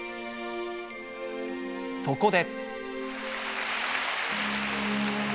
そこで。